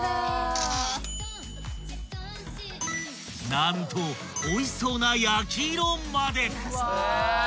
［何とおいしそうな焼き色まで］